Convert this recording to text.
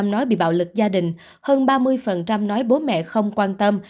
nói bị bạo lực gia đình hơn ba mươi nói bố mẹ không quan tâm